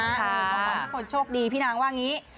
ขอบคุณทุกคนโชคดีพี่นางว่างี้